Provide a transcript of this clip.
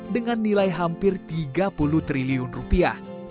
dengan nilai hampir tiga puluh triliun rupiah